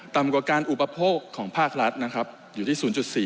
ต่ำกว่าการอุปโภคของภาครัฐนะครับอยู่ที่๐๔